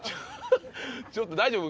ちょっと大丈夫？